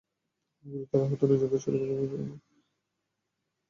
গুরুতর আহত নয়জনকে বরিশাল শের-ই-বাংলা মেডিকেল কলেজ হাসপাতালে ভর্তি করা হয়েছে।